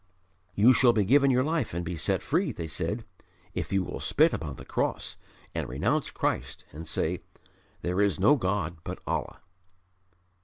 "You shall be given your life and be set free," they said, "if you will spit upon the Cross and renounce Christ and say, 'There is no God but Allah.'"